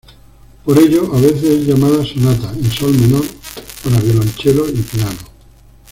Por ello, a veces es llamada Sonata en sol menor para violonchelo y piano.